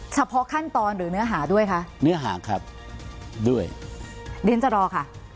เฉพาะขั้นตอนหรือเนื้อหาด้วยคะเนื้อหาครับด้วยเดี๋ยวฉันจะรอค่ะ